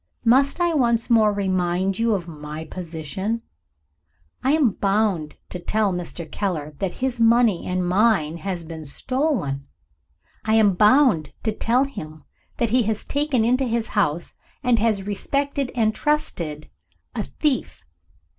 Must I once more remind you of my position? I am bound to tell Mr. Keller that his money and mine has been stolen; I am bound to tell him that he has taken into his house, and has respected and trusted, a thief.